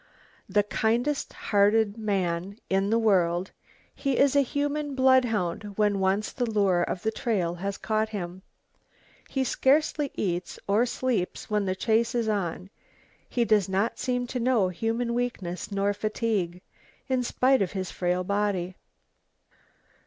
The kindest hearted man in the world, he is a human bloodhound when once the lure of the trail has caught him. He scarcely eats or sleeps when the chase is on, he does not seem to know human weakness nor fatigue, in spite of his frail body.